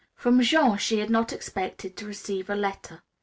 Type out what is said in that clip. From Jean she had not expected to receive a letter.